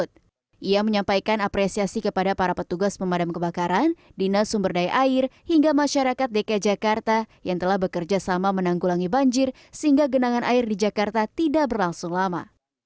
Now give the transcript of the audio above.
dia menyampaikan apresiasi kepada para petugas pemadam kebakaran dinas sumber daya air hingga masyarakat dki jakarta yang telah bekerja sama menanggulangi banjir sehingga genangan air di jakarta tidak berlangsung lama